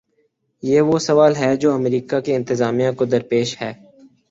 یہ وہ سوال ہے جو امریکہ کی انتظامیہ کو درپیش ہے۔